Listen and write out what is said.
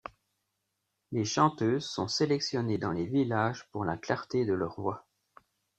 Les chanteuses sont sélectionnées dans les villages pour la clarté de leur voix.